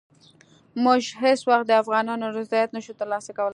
موږ هېڅ وخت د افغانانو رضایت نه شو ترلاسه کولای.